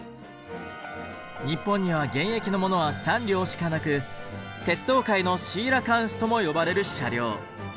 日本には現役のものは３両しかなく「鉄道界のシーラカンス」とも呼ばれる車両。